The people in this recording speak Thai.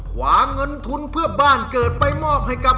ขวาเงินทุนเพื่อบ้านเกิดไปมอบให้กับ